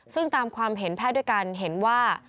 ซึ่งตามความเห็นแพทย์ด้วยกันเห็นว่า